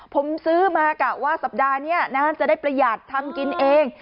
ผมซื้อมากะว่าสัปดาห์นี้จะได้ประหยัดทำกินเอง